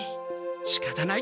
しかたない。